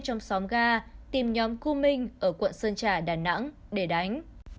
trong xóm ga tìm nhóm cô minh ở quận sơn trà đà nẵng để đánh